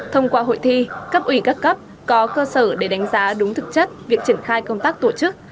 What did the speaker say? thông qua hội thi cấp ủy các cấp có cơ sở để đánh giá đúng thực chất việc triển khai công tác tổ chức